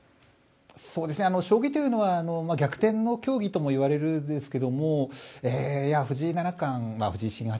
将棋というのは、逆転の競技ともいわれるんですけれども藤井新八